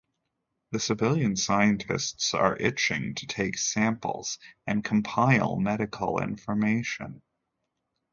The civilian scientists are itching to take samples and compile medical information.